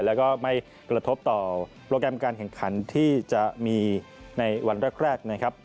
แล้วก็ไม่กระทบต่อโปรแกรมการแข่งขันที่จะมีในวันแรกนะครับ